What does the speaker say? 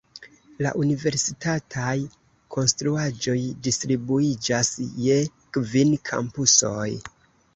La universitataj konstruaĵoj distribuiĝas je kvin kampusoj.